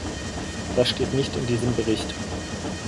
Das steht nicht in diesem Bericht.